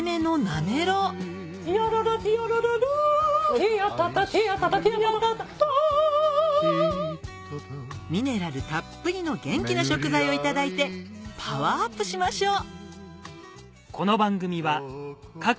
ターミネラルたっぷりの元気な食材をいただいてパワーアップしましょう！